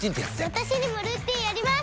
私にもルーティンあります！